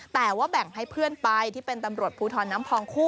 แต่ว่าแบ่งให้เพื่อนไปที่เป็นตำรวจภูทรน้ำพองคู่